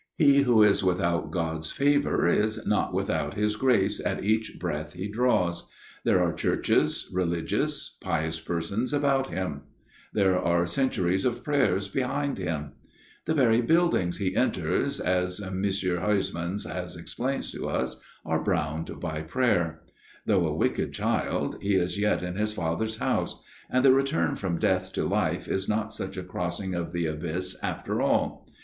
He who is without God's favour is not without His grace at each breath he draws. There are churches, religious, pious persons about him ; there are centuries of prayers behind him. The very buildings he enters, as M. Huysmans has explained to us, are browned by prayer. Though a wicked child, he is yet in his Father's house : and the return from death to life is not such a crossing of the abyss, after all.